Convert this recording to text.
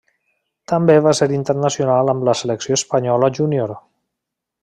També va ser internacional amb la selecció espanyola júnior.